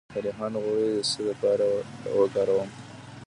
د ریحان غوړي د څه لپاره وکاروم؟